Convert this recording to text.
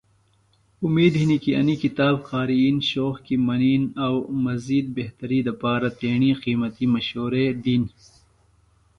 اومِد ہنیۡ کی انیۡ کتاب قارئین شوق کی منِین او مزید بہتری دپارہ تیݨی قیمتی مشورے دِین